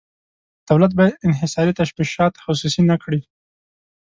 دولت باید انحصاري تشبثات خصوصي نه کړي.